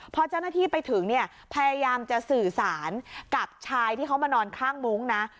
พอเจ้าหน้าที่ไปถึงเนี่ยพยายามจะสื่อสารกับชายที่เขามานอนข้างมุ้งนะ